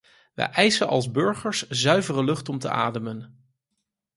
Wij eisen als burgers zuivere lucht om te ademen.